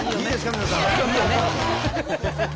皆さん。